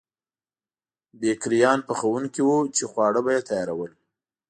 بېکریان پخوونکي وو چې خواړه به یې تیارول.